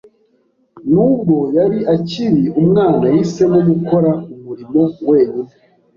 Nubwo yari akiri umwana, yahisemo gukora umurimo wenyine.